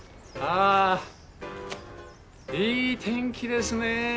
あいい天気ですね。